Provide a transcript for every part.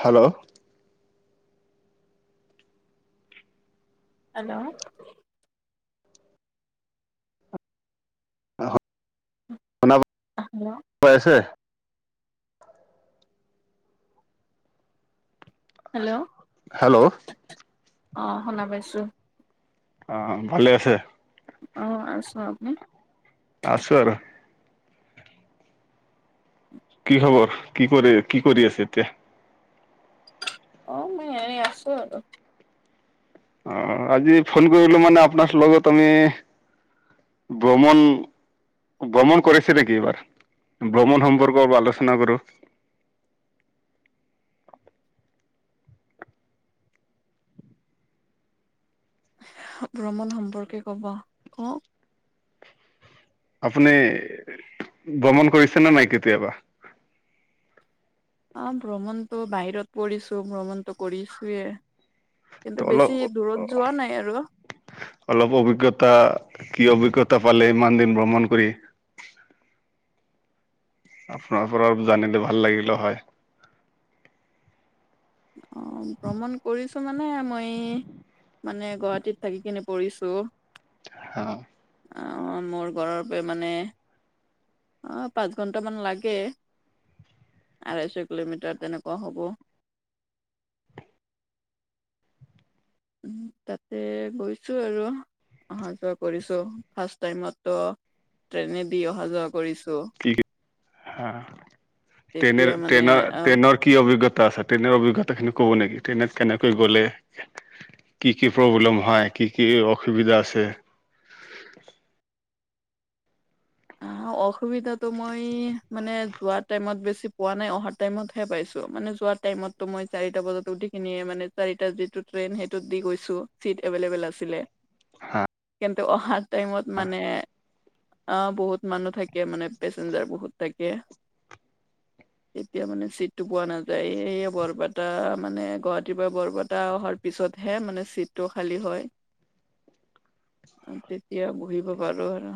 Hello hello শুনা hello না পাই আছে। হেল্ল, হেল্ল' অ অঁ শুনা পাইছোঁ। অঁ, ভালে আছে? অঁ, আছো আপুনি? আছোঁ আৰু। কি খবৰ? কি কৰে, কি কৰি আছে এতিয়া? অঁ, মই এনে আছো আৰু। অঁ, আজি ফোন কৰিলোঁ মানে আপোনাহতৰ লগত আমি ব্ৰমণ ব্ৰমণ কৰিছে নেকি এইবাৰ? ভ্ৰমণ সম্পৰ্ক অলপ আলোচনা কৰো। ভ্ৰমণ সম্পৰ্ক কবা, কওক। আপুনি ভ্ৰমণ কৰিছে নে নাই, কেতিয়াবা? অঁ ভ্ৰমণতো বাহিৰত পৰিছো ভ্ৰমণতো কৰিছোয়ে। ত কিন্তু অলপ বেছি দূৰত যোৱা নাই আৰু। অলপ অভিজ্ঞতা, কি অভিজ্ঞতা পালে ইমান দিন ভ্ৰমণ কৰি। আপোনাৰ পৰা অলপ জানিলে ভাল লাগিলে হয়। অঁ, ভ্ৰমণ কৰি ছো মানে মই মানে গুৱাহাটীত থাকি কিনে কৰিছোঁ। অঁ অ, মোৰ ঘৰৰ পে মানে অঁ, পাঁচ ঘণ্টামান লাগে। আঢ়াইশ কিলোমিটাৰ তেনেকুৱা হ'ব। উম', তাতে গৈছো আৰু। অহা যোৱা কৰিছো, ফাষ্ট টাইমত ত ট্ৰেইনে দি অহা যোৱা কৰিছো। কি তেতিয়া মানে ট্ৰেনেল-ট্ৰেনাৰ-ট্ৰেনৰ কি অভিজ্ঞ টা আছে। ট্ৰেইনৰ অভিজ্ঞতা খিনি কব নেকি? ট্ৰেইনত কেনেকৈ গ'লে কি কি প্ৰব্লেম হয়? কি কি অসুবিধা আছে? অ', অসুবিধাটো মই মানে যোৱা টাইমত বেছি পোৱা নাই। অহা টাইমতহে পাইছো, মানে যোৱা টাইমতো মই চাৰিটা বজাত উঠি কিনিয়ে মানে চাৰিটা যিটোত ট্ৰেইন সেইটোত দি গৈছো, চিট এভেইলেবেল আছিলে। হা কিন্তু অহা টাইমত মানে অ, বহুত মানুহ থাকে মানে, পেচেঞ্জাৰ বহুত থাকে। এতিয়া মানে চিটটো পোৱা নাযায় সে বৰপেটা মানে গুৱাহাটীৰ পৰা বৰপেটা অহাৰ পিছতহে মানে ছিটটো খালী হয়। তেতিয়া বহিব পাৰো আৰু।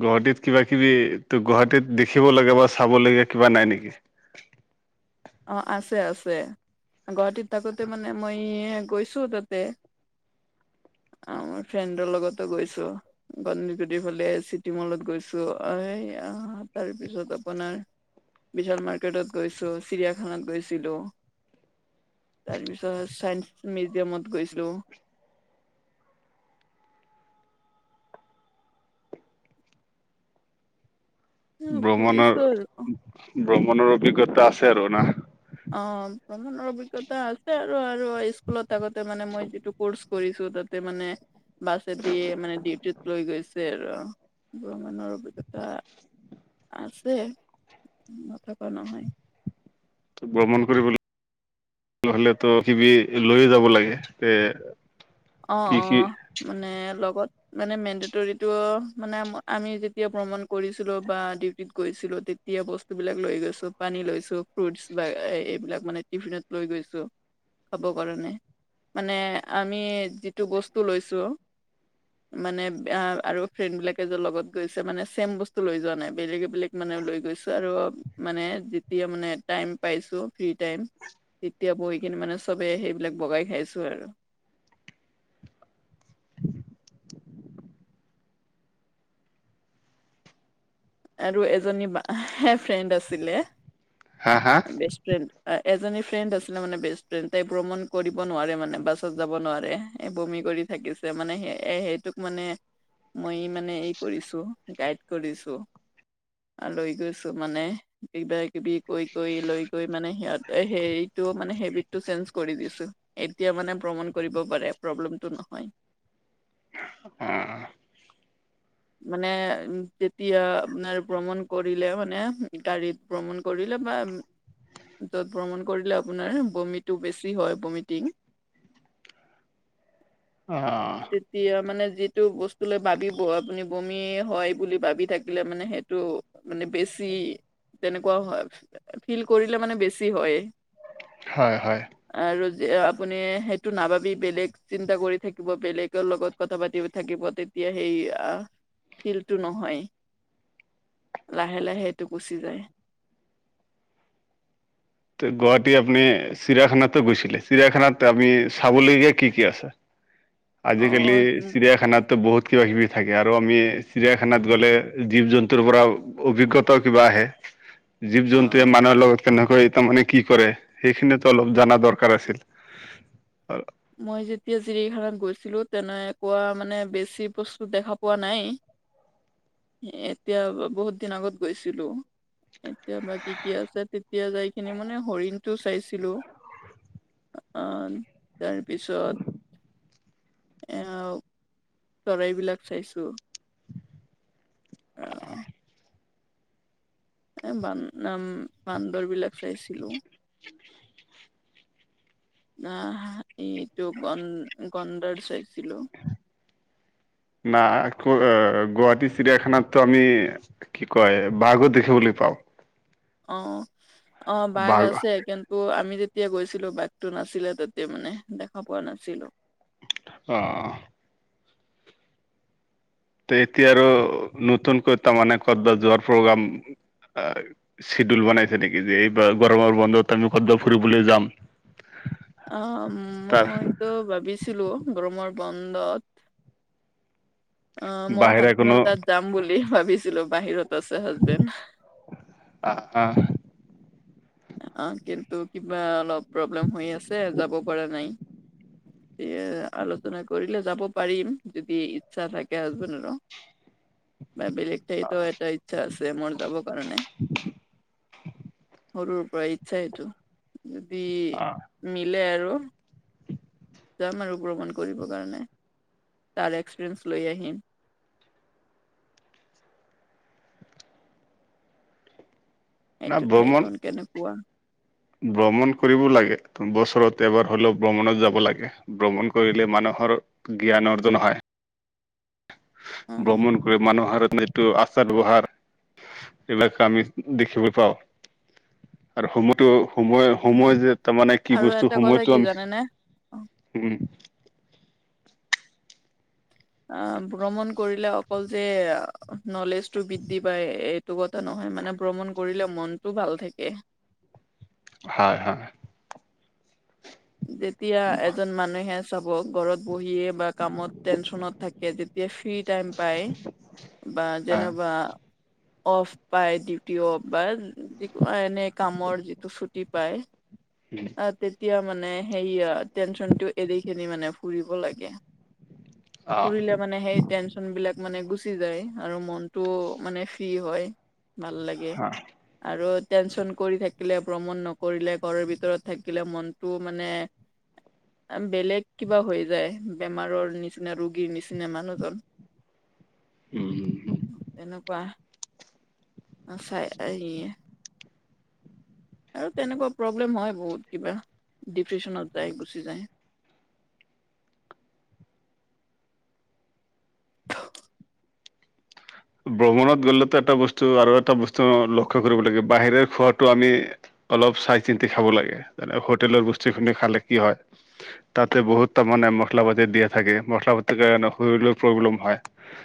গুৱাহাটীত কিবা কিবি টো গুৱাহাটীত দেখিব লাগে বা চাব লগীয়া কিবা নাই নেকি। অ, আছে আছে। গুৱাহাটীত থাকোতে মানে মই গৈছো তাতে। আ ফ্ৰেণ্ডৰ লগতো গৈছো। গণে--তিৰ ফালে চিটি মলত গৈছো। [unintelligible] তাৰ পিছত আপোনাৰ বিশাল মাৰ্কেটত গৈছোঁ, চিৰিয়াখানাত গৈছিলোঁ। তাৰ পিছত ছায়েন্ঞ্চ মিউজিয়ামত গৈছিলোঁ। ফুৰিছো ভ্ৰমণৰ আৰু ভ্ৰমণৰ অভিজ্ঞতা আছে আৰু না। অ, ভ্ৰমণৰ অভিজ্ঞতা আছে আৰু আৰু স্কুলত আগতে মানে মই যিটো কৰষ্ কৰিছো। তাতে মানে বাছে দিয়ে মানে ডিউটিত লৈ গৈছে আৰু ভ্ৰমনৰ অভিজ্ঞতা আছে নথকা নহয়। ভ্ৰমণ কৰি হলে ত' কিবি লৈয়ে যাব লাগে। তে অ, কি অ। কি মানে লগত মানে মেণ্ডতৰিটো মানে আম আমি যেতিয়া ভ্ৰমণ কৰিছিলো বা ডিউটিত গৈছিলো। তে [unintelligible] বস্তুবিলাক লৈ গৈছো, পানী লৈছো, ফ্ৰুটছ বা এইবিলাক মানে টিফিনত লৈ গৈছো। খাব কাৰণে, মানে আমি যিটো বস্তু লৈছো। মানে আৰু ফ্ৰেণ্ড বিলাকে যে লগত গৈছে, মানে চেম বস্তু লৈ যোৱা নাই। বেলেগে বেলেগ মানে লৈ গৈছো আৰু মানে যেতিয়া মানে টাইম পাইছো, ফ্ৰী টাইম। তেতিয়া বহি কিনে মানে চবে সেইবিলাক বগাই খাইছো আৰু। আৰু এজনী বা ফ্ৰেণ্ড আছিলে। হা হা বেষ্ট ফ্ৰেণ্ড। আ এজনী ফ্ৰেণ্ড আছিলে মানে বেষ্ট ফ্ৰেণ্ড। তাই ভ্ৰমণ কৰিব নোৱাৰে মানে, বাছত যাব নোৱাৰে। বমি কৰি থাকিছে মানে। সে এ সেইটোক মানে, মই মানে এই কৰিছো, গাইড কৰিছো। লৈ গৈছো মানে। কিবা কিবি কৈ কৈ লৈ গৈ মানে সিহঁত হেৰিটো মানে সেইবি টো ছেঞ্জ কৰি দিছো। এতিয়া মানে ভ্ৰমণ কৰিব পাৰে, প্ৰব্লেমটো নহয়। [unintelligible] মানে [unintelligible] যেতিয়া আপোনাৰ ভ্ৰমণ কৰিলে মানে গাড়ীত। ভ্ৰমণ কৰিলে বা [unintelligible] য'ত ভ্ৰমণ কৰিলে আপোনাৰ বমিটো বেছি হয় বমিটিং। [unintelligible] [unintelligible] তিয়া মানে যিটো বস্তু লৈ ভাবিব আপুনি বমি হয় বুলি ভাবি থাকিলে মানে সেইটো মানে বেছি তেনেকুৱাও হয়, ফিল কৰিলে মানে বেছি হয়েই। হয়-হয়। আৰু আপুনি সেইটো নাভাবি বেলেগ চিন্তা কৰি থাকিব বেলেগৰ লগত কথা পাতিব থাকিব তেতিয়া সেই ফিলটো নহয় লাহে লাহে এইটো গুচি যায় গুৱাহাটী আপুনি চিৰিয়াখানাতো গৈছিলে চিৰিয়াখানাত আপনি চাবলৈগীয়া কি কি আছে [unintelligible] আজিকালি চিৰিয়াখানাত তো বহুত কিবাকিবি থাকে আৰু আমি চিৰিয়াখানাত গ'লে জীৱ জন্তুৰ পৰা অভিজ্ঞতাও কিবা আহে [unintelligible] জীৱ জন্তুয়ে মানুহৰ লগত তেনেকৈ তাৰমানানে কি কৰে, সেইখিনিতো অলপ জানা দৰকাৰ আছিল [unintelligible] মই যেতিয়া চিৰিখানাত গৈছিলো তেনেকুৱা মানে বেছি বস্তু দেখা পোৱা নাই। এতিয়া বহুত দিন আগত গৈছিলো। এতিয়া বা কি-কি আছে তেতিয়া যাই কিনি মানে হৰিণতটো চাইছিলো। আ, তাৰপিছত [unintelligible] চৰাইবিলাক চাইছো [unintelligible] এ বানম-বান্দৰ বিলাক চাইছিলো- আহ, এইটো গন-গন্দৰ চাইছিলো। বা আকৌ অ', গুৱাহাটী চিৰিয়াখানাতটো আমি কি কয় বাঘো দেখিবলৈ পাওঁ। অ', অ', বাঘ আছে কিন তো' আমি যেতিয়া গৈছিলো বাঘটো নাছিলে তেতিয়া মানে, দেখা পোৱা নাছিলো। অ'। তে এতিয়া আৰু নতুনকৈ তাৰমানে কদবা যোৱাৰ প্ৰগ্ৰাম আ, চিডুল বনাইছে নেকি যে এইবাৰ গৰমৰ বন্ধত আমি কদবা ফুৰিবলৈ যাম। অ', তাৰ মইটো ভাবিছিলো গৰমৰ বন্ধত অ', মোৰ বাহিৰে কোনো হাজবেণ্ডৰ তাত যাম বুলি ভাবিছিলো বাহিৰত আছে হাজবেণ্ড। [unintelligible] অ', কিন্তু কিবা অলপ প্ৰব্লেম হৈ আছে যাব পৰা নাই। ইয়ে আলোচনা কৰিলে যাব পাৰিম, যদি ইচ্ছা থাকে হাজবেণ্ডৰো। বা বেলেগ ঠাইতো এটা ইচ্ছা আছে মোৰ যাব কাৰণে। সৰুৰ পৰা ইচ্ছা এইটো, যদি আহ মিলে আৰু। যাম আৰু ভ্ৰমণ কৰিবৰ কাৰণে। তাৰ এক্সপিৰিয়েঞ্চ লৈ আহিম। না এইটো ভ্ৰমণ ঠাইখন কেনেকুৱা। ভ্ৰমণ কৰিব লাগে, বছৰত এবাৰ হ'লেও ভ্ৰমণত যাব লাগে। ভ্ৰমণ কৰিলে মানুহৰ জ্ঞান অৰ্জন হয়। অ ভ্ৰমণ মানুহৰ [unintelligible] আচাৰ ব্যৱহাৰ, এইবিলাক আমি দেখিব পাওঁ। আৰু সমতো উম। সময়-সময় যে তাৰ মানে কি আৰু বস্তু এটা কথা সময়তটো কি আমি জানেনে উম। আ, ভ্ৰমণ কৰিলে অকল যে নলেজটো বৃদ্ধি পায় এ তো কথা নহয় মানে ভ্ৰমণ কৰিলে মনটো ভাল থাকে। হয়-হয়। যেতিয়া এজন মানুহে চাব ঘৰত বহিয়ে বা কামত টেনচনত থাকে যেতিয়া ফ্ৰী টাইম পায়, বা হয় যেনেবা অফ পাই ডিউটি অফ বা এনে কামৰ যিটো ছুটি পায়। [unintelligible] তেতিয়া মানে সেইয়া টেনচনটো এৰি খিনি মানে ফুৰিব লাগে। অ' ফুৰিলে মানে সেই টেনচন বিলাক মানে গুচি যায় আৰু মনটো মানে ফ্ৰী হয়। ভাল লাগে। হয় আৰু টেনচন কৰি থাকিলে ভ্ৰমণ নকৰিলে ঘৰৰ ভিতৰত থাকিলে মন টো মানে বেলেগ কিবা হৈ যায় বেমাৰৰ নিচিনা ৰোগীৰ নিচিনা মানুহজন [inaudible] উম উম তেনেকুৱা নাচাই ই য়ে আৰু তেনেকুৱা প্ৰব্লেম হয় বহুত কিবা ডিপ্ৰেশ্যনত যায় গুচি যায়। ভ্ৰমণত গ'লেতো এটা বস্তু আৰু এটা বস্তু লক্ষ্য কৰিব লাগে বাহিৰৰ খোৱাটো আমি অলপ চাই চিন্তি খাব লাগে যেনে হোটেলৰ বস্তু খিনি খালে কি হয় - তাতে বহুত তাৰ মানে মছলা পাতি দিয়া থাকে মছলা পাতিৰ কাৰণে শৰীৰৰ প্ৰব্লেম হয়।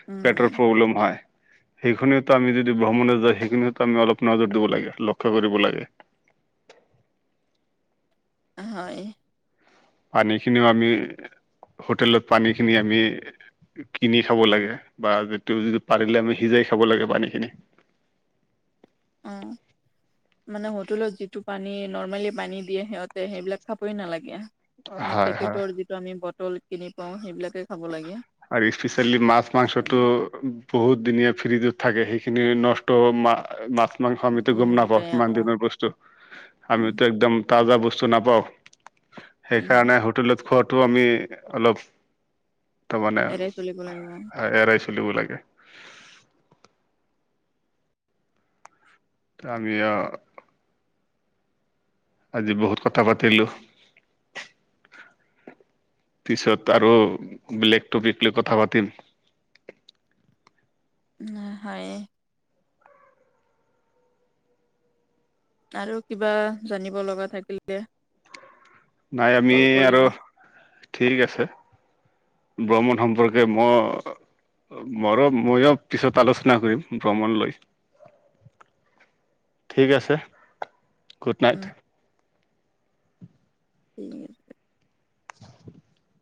উম পেটৰ উম প্ৰব্লেম হয়। সেইখিনিটো আমি যদি ভ্ৰমণে যায় সেইখিনিটো আমি অলপ নজৰ দিব লাগে লক্ষ্য কৰিব লাগে। হয় পানী খিনিও আমি হোটেলত পানী খিনি আমি কিনি খাব লাগে বা যিটো যিটো পাৰিলে আমি সিজাই খাব লাগে পানী খিনি অঁ মানে হোটেলত যিটো পানী নৰ্মেলি পানী দিয়ে সিহঁতে সেইবিলাক খাবই নালাগে। মানে হয় হয় পেকেটৰ যিটো আমি বটল কিনি পাও সেইবিলাকে খাব লাগে। আৰু স্পেচিয়েলি মাছ উম মাংসটো বহুত দিনীয়া ফ্ৰীজত থাকে সেইখিনি নষ্ট মাত মাংস আমিতো উম গুম নাপাওঁ বেয়া কিমান অ দিনৰ বস্তু উম আমিতো একদম তাজা বস্তু নাপাওঁ। উম সেইকাৰণে হোটেলত খোৱাটো আমি অলপ তাৰ মানে এৰাই চলিব লাগিব এৰাই চলিব লাগে। ত আমি অ আজি বহুত কথা পাতিলোঁ পিছত আৰু বেলেগ টপিক লৈ কথা পাতিম হয় আৰু কিবা জানিব লগা থাকিলে নাই আমি কল কৰিব আৰু ঠিক আছে ভ্ৰমণ সম্পৰ্কে মই মৰো ময়ো পিছত আলোচনা কৰিম ভ্ৰমণ লৈ ঠিক আছে গুড নাইট। উম ঠিক আছে [inaudible]